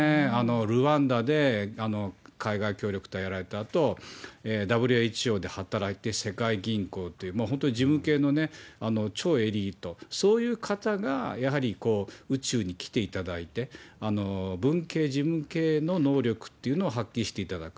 ルワンダで海外協力隊やられたあと、ＷＨＯで働いて、世界銀行という、本当に事務系の超エリート、そういう方が、やはり宇宙に来ていただいて、文系、事務系の能力というのを発揮していただく。